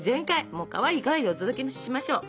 もうかわいいかわいいでお届けしましょう。